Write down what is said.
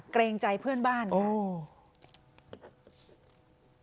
เกรงใจเพื่อนบ้านไง